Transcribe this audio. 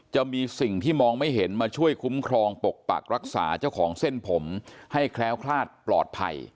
จะมีสิ่งที่มองไม่เห็นมาช่วยคุ้มครองปกปักรักษาเจ้าของเส้นผมให้แคล้วคลาดปลอดภัย